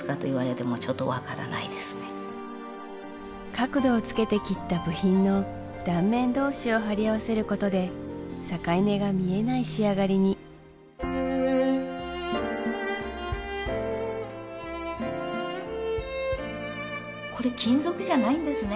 角度をつけて切った部品の断面同士を貼り合わせることで境目が見えない仕上がりにこれ金属じゃないんですね